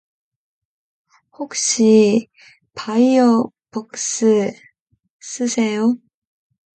혹시 파이어폭스 쓰세요?